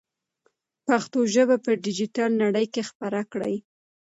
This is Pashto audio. پښتو ژبه په ډیجیټل نړۍ کې خپره کړئ.